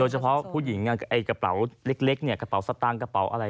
เฉพาะผู้หญิงกระเป๋าเล็กกระเป๋าสตางค์กระเป๋าอะไร